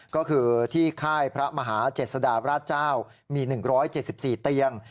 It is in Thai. ก็คือที่ค่ายพระมหาเจษฎาราชเจ้ามี๑๗๔เตียง